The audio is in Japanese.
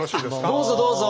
どうぞどうぞ。